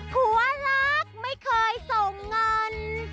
หัวรักไม่เคยส่งเงิน